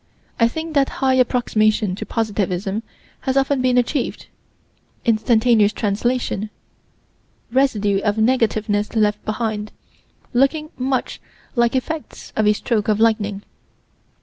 I think that high approximation to positivism has often been achieved instantaneous translation residue of negativeness left behind, looking much like effects of a stroke of lightning.